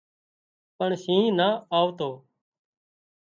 پڻ شينهن نا آوتو